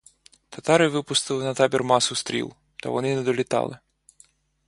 Татари випустили на табір масу стріл, та вони не долітали.